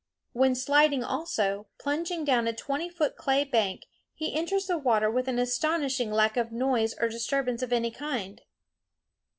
When sliding also, plunging down a twenty foot clay bank, he enters the water with an astonishing lack of noise or disturbance of any kind.